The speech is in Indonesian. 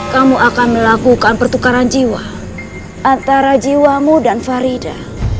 kamu akan melakukan pertukaran jiwa antara jiwamu dan farida